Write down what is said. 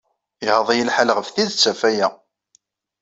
Iɣaḍ-iyi lḥal s tidet ɣef waya.